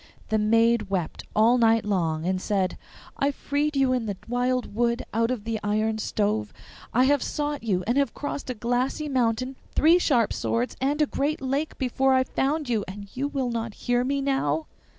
The maid wept all night long, and said, 'I freed you in the wild wood out of the iron stove; I have sought you, and have crossed a glassy mountain, three sharp swords, and a great lake before I found you, and will you not hear me now?